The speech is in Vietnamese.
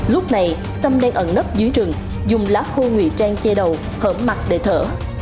lúc này tâm đang ẩn nấp dưới rừng dùng lá khô ngụy trang che đầu hở mặt để thở